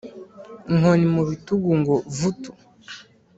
Inkoni mu bitugu ngo vutu